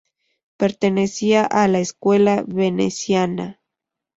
Pertenecía a la escuela veneciana.